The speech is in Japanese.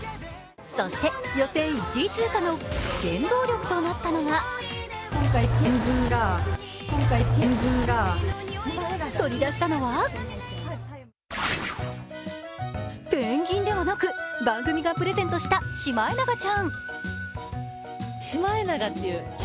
そして予選１位通過の原動力となったのが取り出したのはペンギンではなく番組がプレゼントしたシマエナガちゃん。